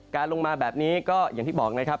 ลงมาแบบนี้ก็อย่างที่บอกนะครับ